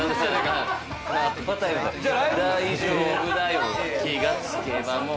大丈夫だよ、気が付けばもう。